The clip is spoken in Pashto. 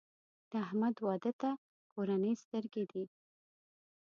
د احمد واده ته کورنۍ سترګې دي.